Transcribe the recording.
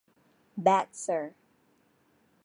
Bad, sir.